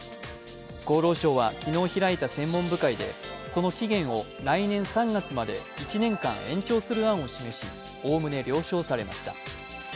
厚労省は昨日開いた専門部会でその期限を来年３月まで１年間延長する案を示し、おおむね了承されました。